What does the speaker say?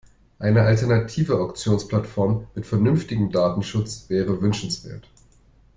Eine alternative Auktionsplattform mit vernünftigem Datenschutz wäre wünschenswert.